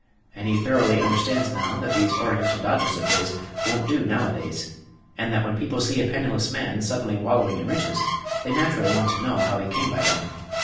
And he thoroughly understands now that these Oriental dodges of his won't do nowadays, and that when people see a penniless man suddenly wallowing in riches they naturally want to know how he came by them.